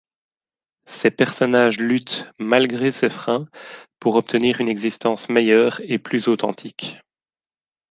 Ses personnages luttent malgré ces freins pour obtenir une existence meilleure et plus authentique.